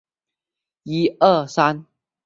他还占领了西南方的阿尔萨瓦。